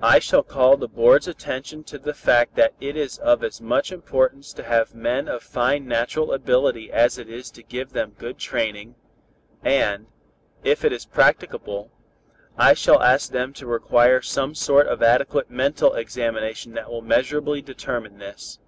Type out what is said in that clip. "I shall call the board's attention to the fact that it is of as much importance to have men of fine natural ability as it is to give them good training, and, if it is practicable, I shall ask them to require some sort of adequate mental examination that will measurably determine this.